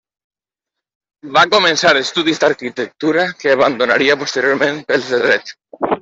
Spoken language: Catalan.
Va començar estudis d'arquitectura, que abandonaria posteriorment pels de Dret.